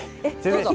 どうぞ。